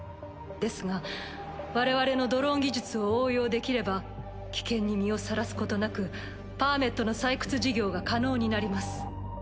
ですが我々のドローン技術を応用できれば危険に身をさらすことなくパーメットの採掘事業が可能になります。